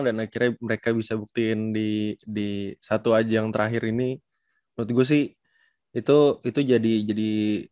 dan akhirnya mereka bisa buktiin di di satu aja yang terakhir ini buat gue sih itu itu jadi jadi